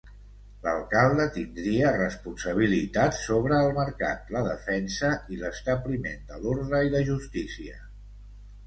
L'alcalde tindria responsabilitat sobre el mercat, la defensa, i l'establiment de l'orde i la justícia.